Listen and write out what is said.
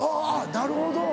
なるほど。